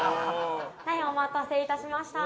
お待たせ致しました。